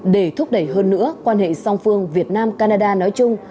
để thúc đẩy hơn nữa quan hệ song phương việt nam canada nói chung